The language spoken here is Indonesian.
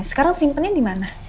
sekarang simpennya dimana